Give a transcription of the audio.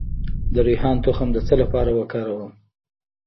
د ریحان تخم د څه لپاره وکاروم؟